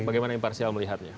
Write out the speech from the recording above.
bagaimana yang parsial melihatnya